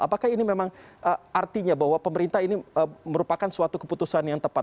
apakah ini memang artinya bahwa pemerintah ini merupakan suatu keputusan yang tepat